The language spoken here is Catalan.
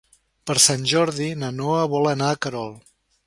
Per Sant Jordi na Noa vol anar a Querol.